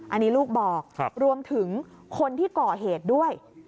อันนี้ลูกบอกรวมถึงคนที่ก่อเหตุด้วย